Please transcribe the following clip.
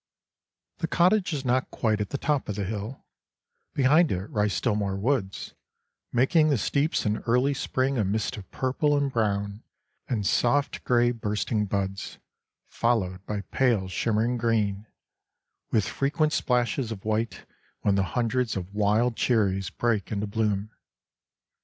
The cottage is not quite at the top of the hill; behind it rise still more woods, making the steeps in early spring a mist of purple and brown and soft grey bursting buds, followed by pale shimmering green, with frequent splashes of white when the hundreds of wild cherries break into bloom.